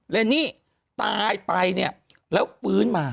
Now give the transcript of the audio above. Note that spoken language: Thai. เรนนี่ตายไปแล้วฟื้นมา